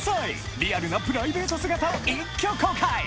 リアルなプライベート姿を一挙公開！